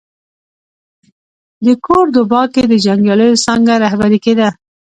د کوردوبا کې د جنګیاليو څانګه رهبري کېده.